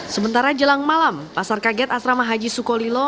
sementara jelang malam pasar kaget asrama haji sukolilo